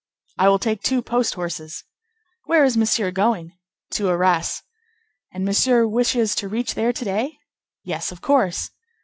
"I will take two post horses." "Where is Monsieur going?" "To Arras." "And Monsieur wishes to reach there to day?" "Yes, of course."